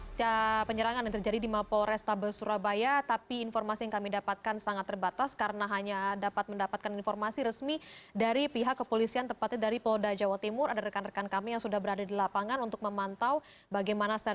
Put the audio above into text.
cnn indonesia breaking news